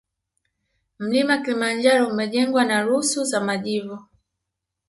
Mlima kilimanjaro umejengwa na rusu za majivu